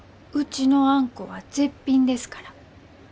うちのあんこは絶品ですから。